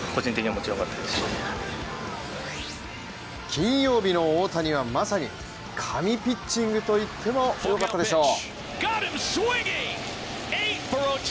金曜日の大谷はまさに神ピッチングと言ってもよかったでしょう。